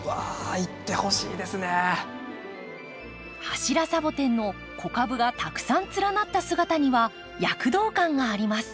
柱サボテンの子株がたくさん連なった姿には躍動感があります。